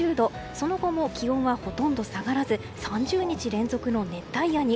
その後も気温はほとんど下がらず３０日連続の熱帯夜に。